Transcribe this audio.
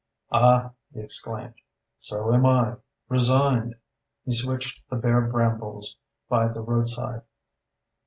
"Ah," he exclaimed, "so am I. Resigned." He switched the bare brambles by the roadside.